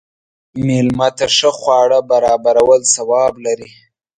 مېلمه ته ښه خواړه برابرول ثواب لري.